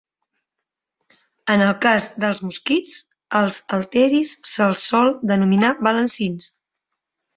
En el cas dels mosquits, als halteris se'ls sol denominar balancins.